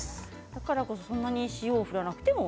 だからこそそんなに塩を振らなくても。